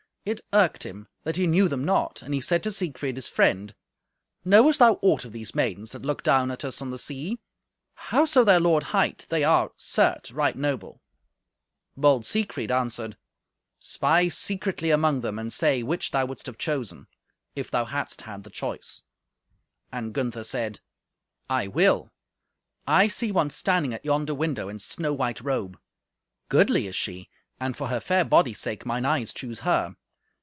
It irked him that he knew them not, and he said to Siegfried, his friend, "Knowest thou aught of these maidens that look down at us on the sea? Howso their lord hight, they are, certes, right noble." Bold Siegfried answered, "Spy secretly among them, and say which thou wouldst have chosen, if thou hadst had the choice." And Gunther said, "I will. I see one standing at yonder window in snow white robe. Goodly is she, and for her fair body's sake, mine eyes choose her.